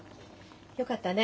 よかったね。